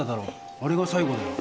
あれが最後だよ。